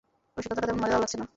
রসিকতাটা তেমন মজাদার লাগছে না!